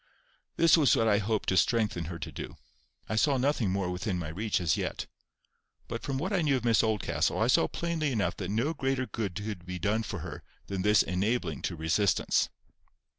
This was what I hoped to strengthen her to do. I saw nothing more within my reach as yet. But from what I knew of Miss Oldcastle, I saw plainly enough that no greater good could be done for her than this enabling to resistance.